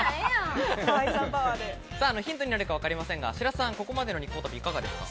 ヒントになるか分かりませんが白洲さん、ここまでの日光旅、いかがですか？